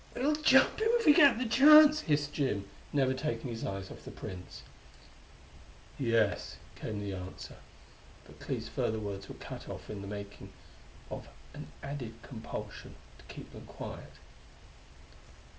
"We'll jump him, if we get the chance!" hissed Jim, never taking his eyes off the prints. "Yes," came the answer; but Clee's further words were cut off in the making by an added compulsion to keep quiet.